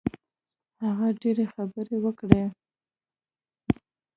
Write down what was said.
هغه ډېرې خبرې وکړې.